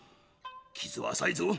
傷は浅いぞ！